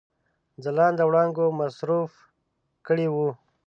ځلانده وړانګو مصروف کړي وه.